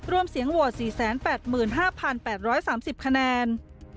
รวมเสียงโหวต๔๘๕๘๓๐คะแนน